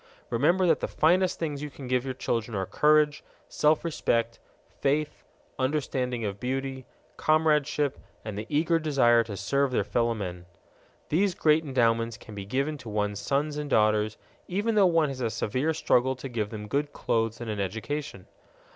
Remember that the finest things you can give your children are courage, self respect, faith, understanding of beauty, comradeship, and the eager desire to serve their fellowmen. These great endowments can be given to one's sons and daughters even though one has a severe struggle to give them good clothes and an education.